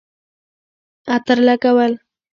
عطر لګول